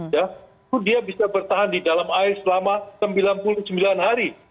itu dia bisa bertahan di dalam air selama sembilan puluh sembilan hari